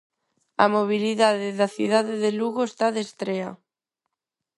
A mobilidade da cidade de Lugo está de estrea.